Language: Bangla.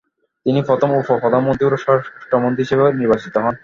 তিনি প্রথম উপ- প্রধানমন্ত্রী ও স্বরাষ্ট্রমন্ত্রী হিসেবে নির্বাচিত হন।